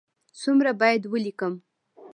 څومره باید ولیکم؟